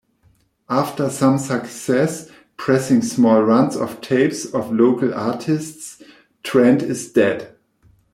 After some success pressing small runs of tapes of local artists, Trend Is Dead!